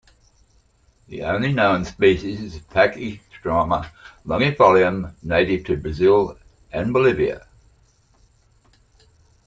The only known species is Pachystroma longifolium, native to Brazil and Bolivia.